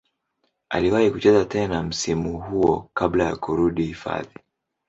Aliweza kucheza tena msimu huo kabla ya kurudi hifadhi.